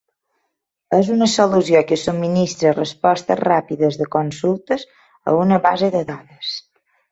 És una solució que subministra respostes ràpides de consultes a una base de dades.